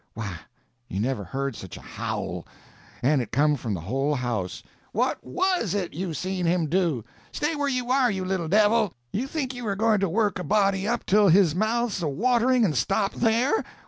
Why, you never heard such a howl!—and it come from the whole house: "What was it you seen him do? Stay where you are, you little devil! You think you are going to work a body up till his mouth's a watering and stop there?